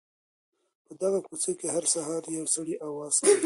په دغه کوڅې کي هر سهار یو سړی اواز کوي.